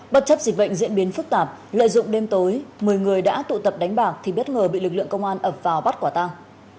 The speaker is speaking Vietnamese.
bất chấp dịch bệnh diễn biến phức tạp lợi dụng đêm tối một mươi người đã tụ tập đánh bạc thì bất ngờ bị lực lượng công an ập vào bắt quả tăng